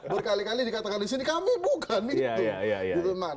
berkali kali dikatakan disini kami bukan